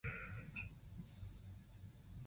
噶玛兰周刊为宜兰培养了多位人才。